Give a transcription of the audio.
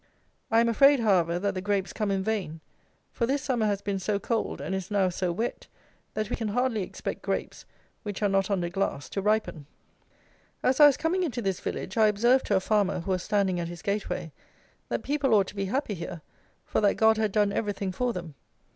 I am afraid, however, that the grapes come in vain; for this summer has been so cold, and is now so wet, that we can hardly expect grapes which are not under glass to ripen. As I was coming into this village, I observed to a farmer who was standing at his gateway, that people ought to be happy here, for that God had done everything for them.